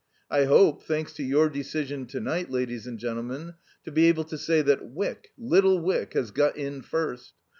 I hope, thanks to your decision to night, ladies and gentlemen, to be able to say that Wyck little Wyck has got in first.